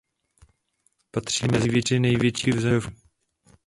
Patří mezi tři největší zbrojovky v zemi.